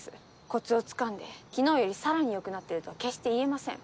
コツをつかんで昨日よりさらによくなってるとは決して言えません